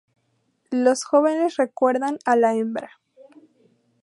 Los jóvenes recuerdan a la hembra.